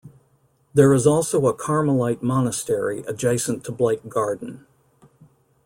There is also a Carmelite monastery adjacent to Blake Garden.